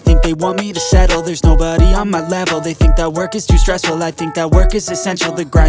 nanti dia gak usah khawatir